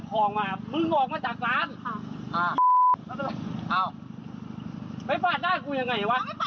เพิ่งเคยเจออย่างนี้